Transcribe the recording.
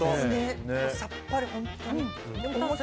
さっぱり、本当に。